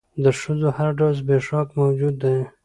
د ښځې هر ډول زبېښاک موجود دى.